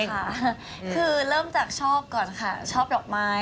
คือเริ่มจากชอบก่อนค่ะชอบดอกไม้